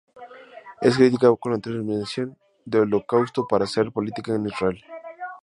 Es crítica con la instrumentalización del holocausto para hacer política en Israel.